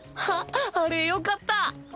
あっあれよかった。